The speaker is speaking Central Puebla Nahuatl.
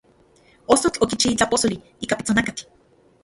Ostotl okichi itlaj posoli ika pitsonakatl.